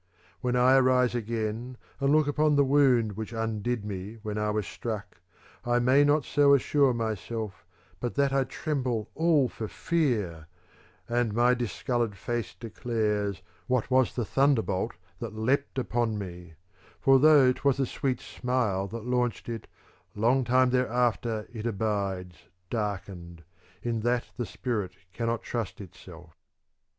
When I arise again and look upon the wound Which undid me when I was struck, I may not so assure myself but that I tremble all for fear ; and my discoloured face declares what was the thunder bolt that leaped upon me ; for though 'twas a sweet smile that launched it ^ long time thereafter it ^ abides darkened, in that the spirit cannot trust itself.